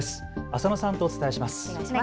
浅野さんとお伝えします。